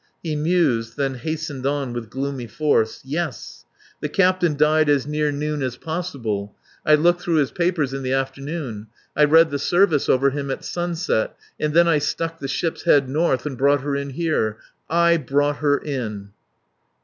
He mused, then hastened on with gloomy force. "Yes! The captain died as near noon as possible. I looked through his papers in the afternoon. I read the service over him at sunset and then I stuck the ship's head north and brought her in here. I brought her in."